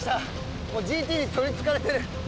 もうＧＴに取りつかれてる。